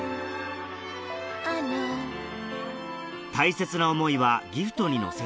大切な思いはギフトに乗せて